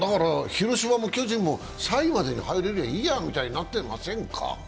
広島も巨人も３位までに入れればいいやとなってませんか？